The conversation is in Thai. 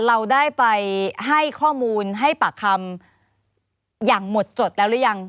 เราได้ไปให้ข้อมูลให้ปากคำอย่างหมดจดแล้วหรือยัง